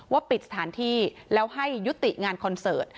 ปิดสถานที่แล้วให้ยุติงานคอนเสิร์ต